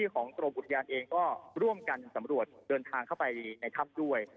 ก็ร่วมกันสำรวจเดินทางเข้าไปในทัพด้วย